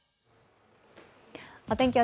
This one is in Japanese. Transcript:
お天気